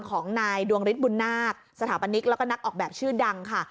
ของนายดวงฤทธิบุญนาคสถาปนิกแล้วก็นักออกแบบชื่อดังค่ะ